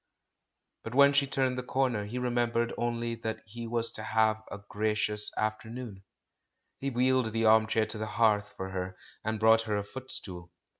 But when she turned the comer he remem bered only that he was to have a gracious after noon. He wheeled the armchair to the hearth for her, and brought her a footstool.